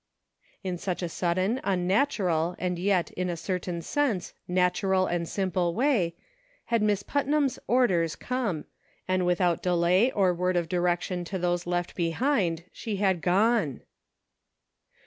In such a sudden, unnatural, and yet, in a cer tain sense, natural and simple way, had Miss Put nam's " orders " come, and without delay or word of direction to those left behind she had gone